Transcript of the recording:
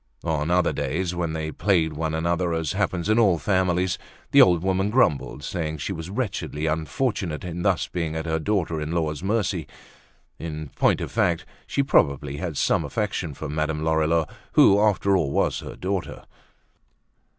On other days when they plagued one another as happens in all families, the old woman grumbled saying she was wretchedly unfortunate in thus being at her daughter in law's mercy. In point of fact she probably had some affection for Madame Lorilleux who after all was her daughter.